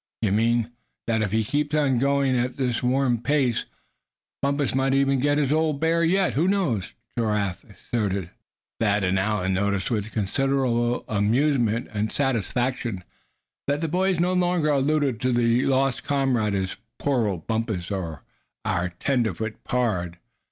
"You mean " "That if he keeps on going at this warm pace, Bumpus might even get his old bear yet, who knows," Giraffe asserted. Thad and Allan noticed with considerable amusement and satisfaction that the boys no longer alluded to the lost comrade as "poor old Bumpus," and "our tenderfoot pard."